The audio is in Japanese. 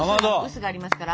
臼がありますから。